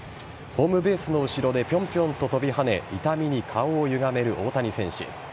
ホームベースの後ろでぴょんぴょんと跳びはね、痛みに顔をゆがめる大谷選手。